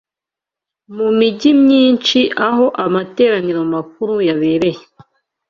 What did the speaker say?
Mu migi myinshi aho amateraniro makuru yabereye